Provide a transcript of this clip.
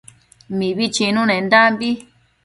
Mibi chinunendambi